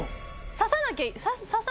刺さなきゃいいの？